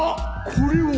これは